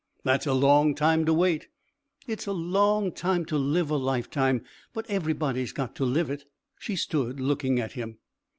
"That's a long time to wait." "It's a long time to live a life time, but everybody's got to live it." She stood, looking at him.